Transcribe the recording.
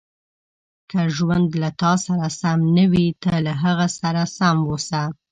• که ژوند له تا سره سم نه وي، ته له هغه سره سم اوسه.